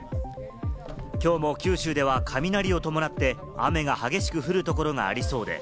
きょうも九州では雷を伴って雨が激しく降るところがありそうです。